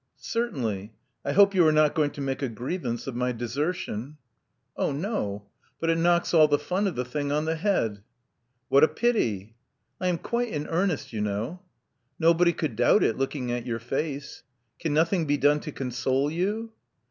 ''Certainly. I hope you are not going to make a grievance of my desertion." 288 Love Among the Artists *'Oh no. But it knocks all the fun of the thing on the head." "What a pity!" '*I am quite in earnest, you know." "Nobody could doubt it, looking at your face. Can nothing be done to console you?"